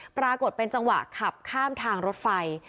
ปรากฏเป็นจังหวะขับข้ามทางรถไฟ